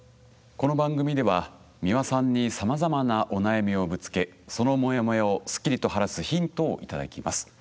この番組では美輪さんにさまざまなお悩みをぶつけそのモヤモヤをすっきりと晴らすヒントをいただきます。